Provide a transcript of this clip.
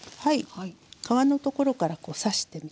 皮のところからこう刺してみてね